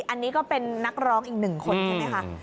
อันนี้ก็เป็นนักร้องอีกหนึ่งคนใช่ไหมคะ